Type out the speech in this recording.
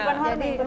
urban farming betul